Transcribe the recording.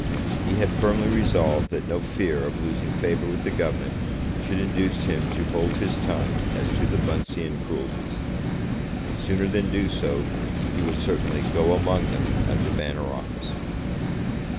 He had firmly resolved that no fear of losing favour with the Government should induce him to hold his tongue as to the Buncean cruelties. Sooner than do so he would certainly "go among them" at the Banner office.